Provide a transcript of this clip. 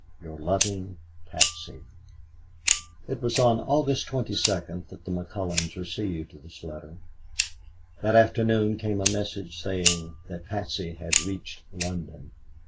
"Your loving PATSY." It was on August 22nd that the McCullons received this letter. That afternoon came a message saying that Patsy had reached London.